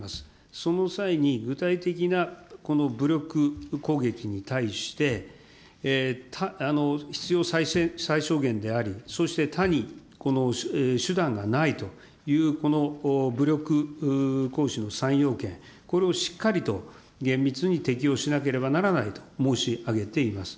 その際に具体的な武力攻撃に対して、必要最小限であり、そして他に手段がないという武力行使の３要件、これをしっかりと厳密に適用しなければならないと申し上げております。